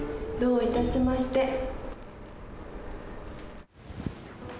どういたしまして。